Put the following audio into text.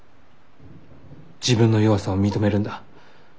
自分の弱さを認めるんだ。